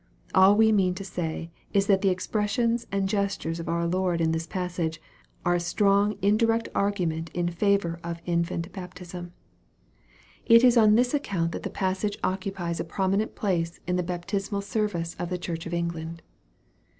All we mean to say is that the ex pressions and gestures of our Lord in this passage, are a strong indirect argument in favor of infant baptism. Ic 204 EXPOSITORY THOUGHTS. is on this account that the passage occupies a prominent place in the baptismal service of the Church of England.